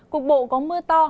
cục bộ có mưa to